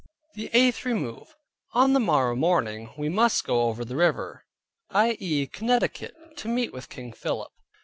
THE EIGHTH REMOVE On the morrow morning we must go over the river, i.e. Connecticut, to meet with King Philip.